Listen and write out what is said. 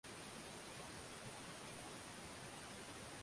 Mama yangu ni sauti ya jamii.